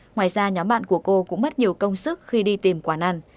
ngoài ra nhóm bạn của cô cũng mất nhiều công sức khi đi tìm quán ăn